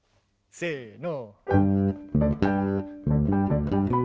せの。